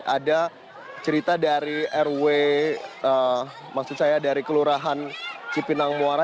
ada cerita dari rw maksud saya dari kelurahan cipinangmuara